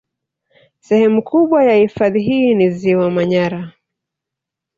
Sehemu kubwa ya hifadhi hii ni ziwa Manyara